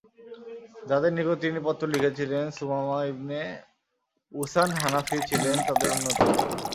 যাদের নিকট তিনি পত্র লিখেছিলেন সুমামা ইবনে উসান হানাফী ছিলেন তাদের অন্যতম।